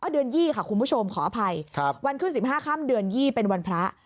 เดือน๒ค่ะคุณผู้ชมขออภัยวันขึ้น๑๕ค่ำเดือน๒เป็นวันพระ